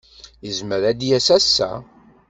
Yezmer ad d-yas ass-a.